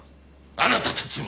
あなたたちも。